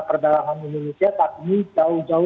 perdagangan indonesia tadi jauh jauh